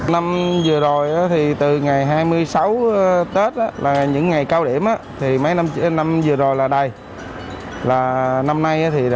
năm vừa rồi thì từ ngày hai mươi sáu tết là những ngày cao điểm thì mấy năm vừa rồi là đầy là năm nay